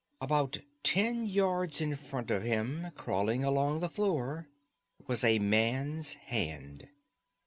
About ten yards in front of him, crawling along the floor, was a man's hand.